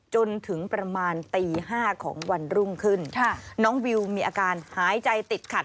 จนถึงประมาณตีห้าของวันรุ่งขึ้นค่ะน้องวิวมีอาการหายใจติดขัด